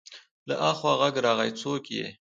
له اخوا غږ راغی: څوک يې؟